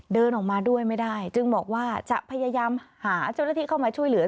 เดินออกมาด้วยไม่ได้จึงบอกว่าจะพยายามหาเจ้าหน้าที่เข้ามาช่วยเหลือ